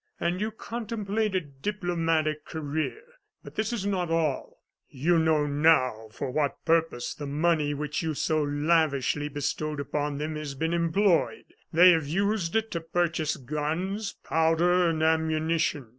And you contemplate a diplomatic career! But this is not all. You know now for what purpose the money which you so lavishly bestowed upon them has been employed. They have used it to purchase guns, powder, and ammunition."